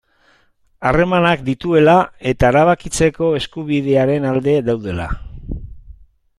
Harremanak dituela eta erabakitzeko eskubidearen alde daudela.